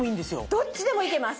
どっちでも行けます。